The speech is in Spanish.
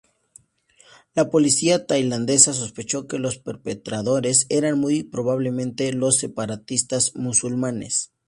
La policía tailandesa sospechó que los perpetradores eran muy probablemente los separatistas musulmanes.